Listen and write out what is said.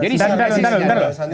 dan darun darun